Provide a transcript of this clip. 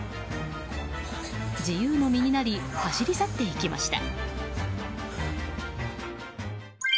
自由の身になり走り去っていきました。